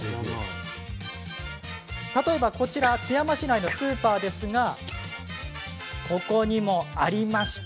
例えば、こちら津山市内のスーパーですがここにも、ありました。